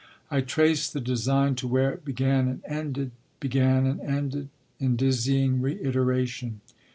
I traced the design to where it began and ended, began and ended, in dizzying reiteration.